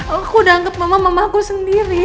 aku udah anggap mama mama aku sendiri